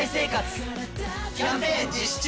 キャンペーン実施中！